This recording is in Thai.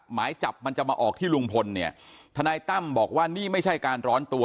หมายจับมันจะมาออกที่ลุงพลเนี่ยทนายตั้มบอกว่านี่ไม่ใช่การร้อนตัว